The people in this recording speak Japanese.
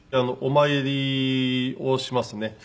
お参りをしますね。